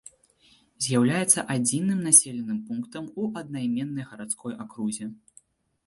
З'яўляецца адзіным населеным пунктам у аднайменнай гарадской акрузе.